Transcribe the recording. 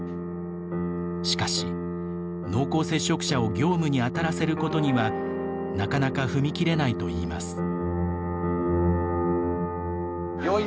しかし、濃厚接触者を業務に当たらせることにはなかなか踏み切れないといいます。